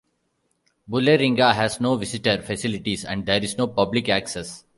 Bulleringa has no visitor facilities and there is no public access.